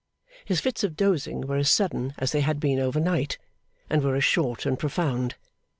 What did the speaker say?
His fits of dozing were as sudden as they had been overnight, and were as short and profound.